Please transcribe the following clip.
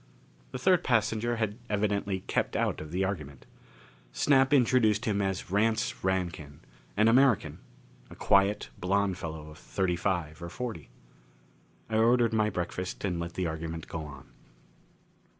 The third passenger had evidently kept out of the argument. Snap introduced him as Rance Rankin. An American a quiet, blond fellow of thirty five or forty. I ordered my breakfast and let the argument go on.